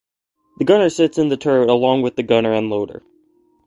The commander sits in the turret along with the gunner and loader.